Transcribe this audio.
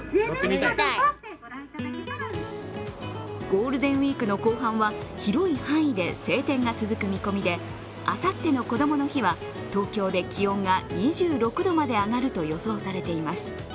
ゴールデンウイークの後半は広い範囲で晴天が続く見込みであさってのこどもの日は東京で気温が２６度まで上がると予想されています。